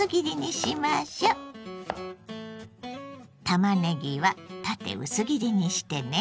たまねぎは縦薄切りにしてね。